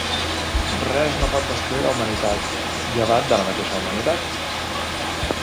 Res no pot destruir la humanitat, llevat de la mateixa humanitat.